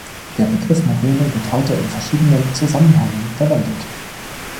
Der Begriff Moräne wird heute in verschiedenen Zusammenhängen verwendet.